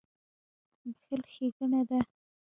• بښل ښېګڼه ده.